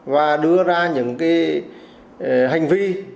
và đưa ra những hành vi